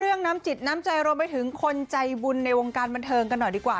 น้ำจิตน้ำใจรวมไปถึงคนใจบุญในวงการบันเทิงกันหน่อยดีกว่า